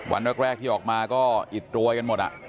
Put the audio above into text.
วันแรกที่ออกมาก็อิดโรยกันหมด